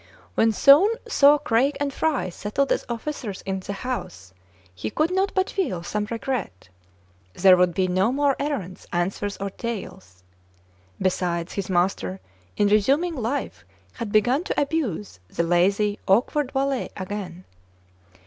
When Soun saw Craig and Fry settled as offi cers in the house, he could not but feel some re gret. There would be no more errands, answers, or taels. Besides, his master, in resuming life, had begun to abuse the lazy, awkward valet again.